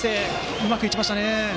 うまく打ちましたね。